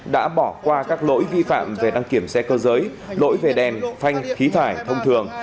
đã bỏ qua các lỗi vi phạm về đăng kiểm xe cơ giới lỗi về đèn phanh khí thải thông thường